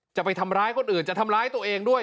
จะไปทำร้ายคนอื่นจะทำร้ายตัวเองด้วย